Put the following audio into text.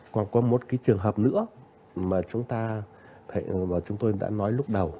còn có một cái trường hợp nữa mà chúng ta đã nói lúc đầu